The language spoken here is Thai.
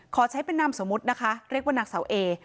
ขอใช้เป็นนามสมมุตินะคะเรียกว่านางเสาเอ